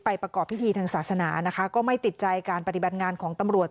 ประกอบพิธีทางศาสนานะคะก็ไม่ติดใจการปฏิบัติงานของตำรวจ